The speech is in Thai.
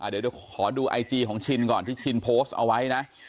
เดี๋ยวขอดูไอจีของชินก่อนที่ชินโพสต์เอาไว้นะ